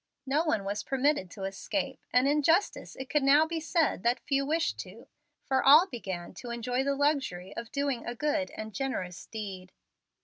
No one was permitted to escape, and in justice it could now be said that few wished to, for all began to enjoy the luxury of doing a good and generous deed.